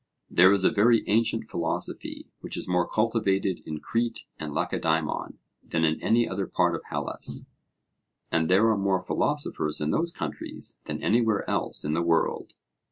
There is a very ancient philosophy which is more cultivated in Crete and Lacedaemon than in any other part of Hellas, and there are more philosophers in those countries than anywhere else in the world.